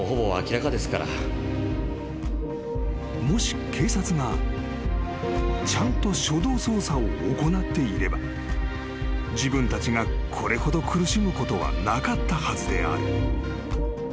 ［もし警察がちゃんと初動捜査を行っていれば自分たちがこれほど苦しむことはなかったはずである］